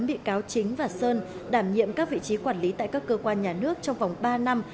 ba bị cáo còn lại gồm